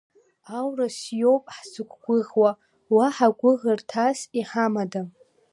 Аурыс иоуп ҳзықәгәыӷуа, уаҳа гәыӷырҭас иҳамада?